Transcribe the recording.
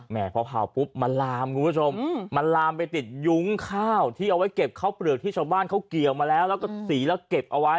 พอเผาปุ๊บมันลามคุณผู้ชมมันลามไปติดยุ้งข้าวที่เอาไว้เก็บข้าวเปลือกที่ชาวบ้านเขาเกี่ยวมาแล้วแล้วก็สีแล้วเก็บเอาไว้